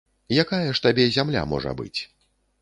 Якая ж табе зямля можа быць?